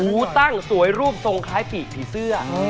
ตั้งสวยรูปทรงคล้ายปีกผีเสื้อ